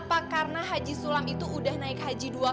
apa karena haji sulam itu udah naik haji